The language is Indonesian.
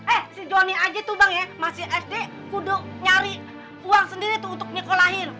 eh si jonny aja tuh bang masih sd kudu nyari uang sendiri tuh untuk nyekolahin